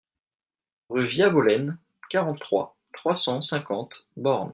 Rue Via Bolen, quarante-trois, trois cent cinquante Borne